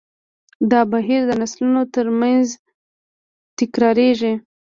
دا بهیر د نسلونو تر منځ تکراریږي.